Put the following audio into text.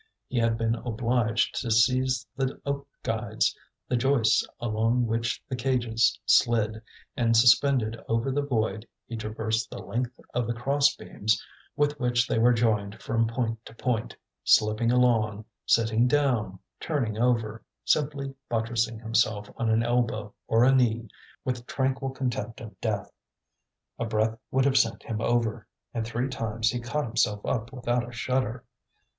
He had been obliged to seize the oak guides, the joists along which the cages slid; and suspended over the void he traversed the length of the cross beams with which they were joined from point to point, slipping along, sitting down, turning over, simply buttressing himself on an elbow or a knee, with tranquil contempt of death. A breath would have sent him over, and three times he caught himself up without a shudder.